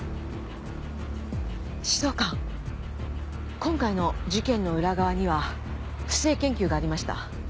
指導官今回の事件の裏側には不正研究がありました。